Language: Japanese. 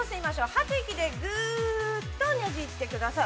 吐く息で、ぐっとねじってください。